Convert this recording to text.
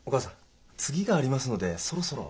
次がありますのでそろそろ。